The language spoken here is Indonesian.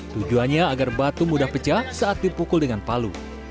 tujuannya agar batu mudah pecah saat dipukul dengan palu